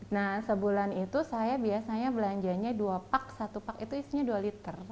nah sebulan itu saya biasanya belanjanya dua pak satu pak itu isinya dua liter